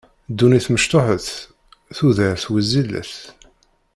Ddunit mecṭuḥet, tudert wezzilet.